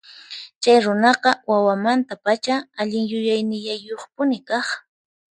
Chay runaqa wawamantapacha allin yuyaynillayuqpuni kaq.